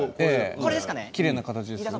きれいな形ですよね。